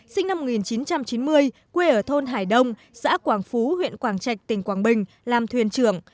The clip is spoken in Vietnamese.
sinh năm một nghìn chín trăm chín mươi quê ở thôn hải đông xã quảng phú huyện quảng trạch tỉnh quảng bình làm thuyền trưởng